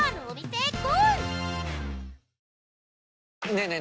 ねえねえ